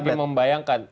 kalau lagi membayangkan